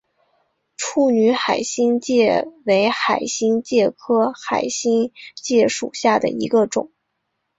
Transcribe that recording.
处女海星介为海星介科海星介属下的一个种。